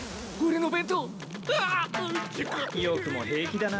よくも平気だなぁ。